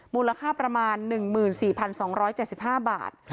มูลค่าประมาณ๑๔๒๗๕บาท